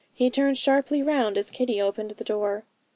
He turned sharply round as Kitty opened her door.